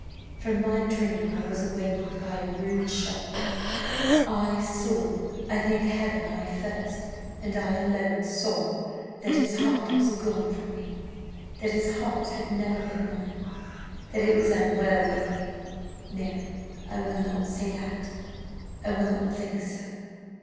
From my dream I was awakened by a rude shock I saw, I thank Heaven I first, and I alone, saw that his heart was gone from me that his heart had never been mine that it was unworthy of me. No, I will not say that; I will not think so.